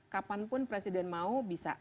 kapanpun presiden mau bisa